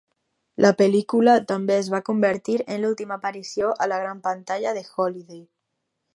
La pel·lícula també es va convertir en l'última aparició a la gran pantalla de Holliday.